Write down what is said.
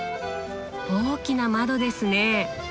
大きな窓ですね！